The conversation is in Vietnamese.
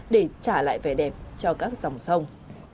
để trả lại vẻ đẹp cho các dòng sông